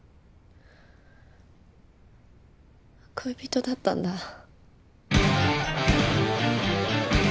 恋人だったんだ。